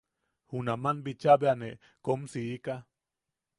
Junaman bicha bea ne kom siika.